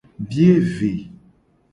Biye ve.